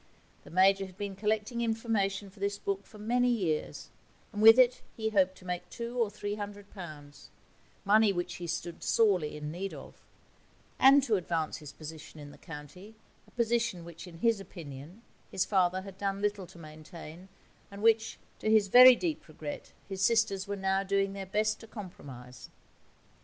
The Major had been collecting information for this book for many years, and with it he hoped to make two or three hundred pounds money which he stood sorely in need of and to advance his position in the county, a position which, in his opinion, his father had done little to maintain, and which, to his very deep regret, his sisters were now doing their best to compromise.